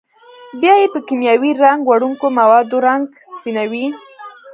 بیا یې په کېمیاوي رنګ وړونکو موادو رنګ سپینوي.